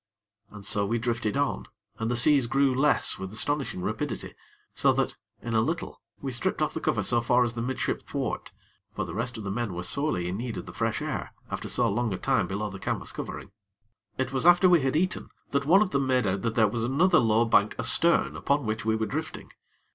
And so we drifted on, and the seas grew less with astonishing rapidity, so that, in a little, we stripped off the cover so far as the midship thwart; for the rest of the men were sorely in need of the fresh air, after so long a time below the canvas covering. It was after we had eaten, that one of them made out that there was another low bank astern upon which we were drifting.